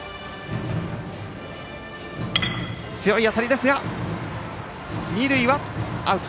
強い当たりですが二塁はアウト。